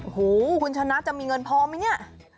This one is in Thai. หูคุณชนะจะมีเงินพอไหมเนี่ย